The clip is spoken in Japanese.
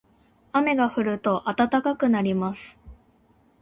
雨が降ると暖かくなります。